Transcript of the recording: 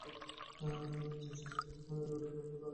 দিন শেষে যাদের ফাইনালে ওঠা প্রাপ্য ছিল, তারাই যেতে পারল না।